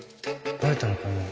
バレたのかな。